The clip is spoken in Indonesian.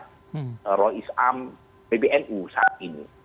nah roh islam bpnu saat ini